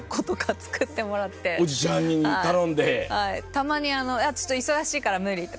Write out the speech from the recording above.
たまに「ちょっと忙しいから無理」とか。